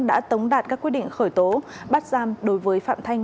đã tống đạt các quyết định khởi tố bắt giam đối với phạm thanh